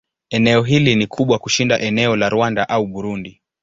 Eneo hili ni kubwa kushinda eneo la Rwanda au Burundi.